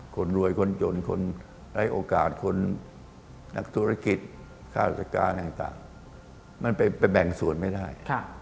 คนรวยคนจนคนไร้โอกาสคนนักธุรกิจข้าราชการต่างมันไปแบ่งส่วนไม่ได้